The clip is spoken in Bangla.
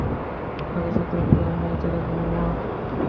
কাগজপত্রগুলো আলমারিতে রাখো, মামা।